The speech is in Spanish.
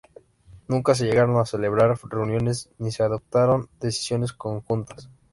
Nunca se llegaron a celebrar reuniones ni se adoptaron decisiones conjuntas.